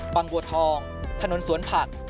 บัวทองถนนสวนผัก